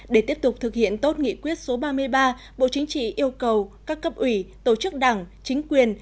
để tiếp tục thực hiện tốt nghị quyết số ba mươi ba bộ chính trị yêu cầu các cấp ủy tổ chức đảng chính quyền